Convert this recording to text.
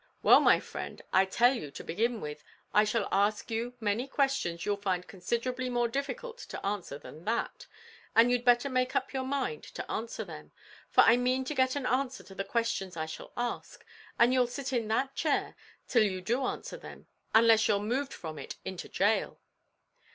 "Well, my friend, I tell you to begin with, I shall ask you many questions you'll find considerably more difficult to answer than that, and you'd better make up your mind to answer them; for I mean to get an answer to the questions I shall ask, and you'll sit in that chair till you do answer them, unless you're moved from it into gaol."